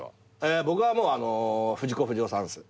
僕は藤子不二雄さんです。